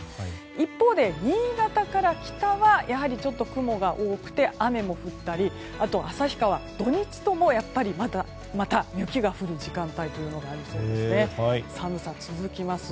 一方で、新潟から北はちょっと雲が多くて雨も降ったり、あと旭川は土日ともまた雪が降る時間帯というのがありそうです。